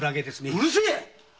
うるせぇ！